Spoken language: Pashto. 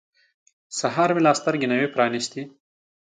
سهار مې لا سترګې نه وې پرانیستې.